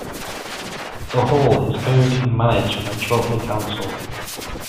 The Hall is owned and managed by Chorley Council.